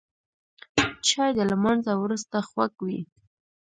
چای د لمانځه وروسته خوږ وي